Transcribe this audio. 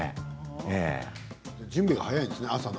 準備が早いんですね朝の。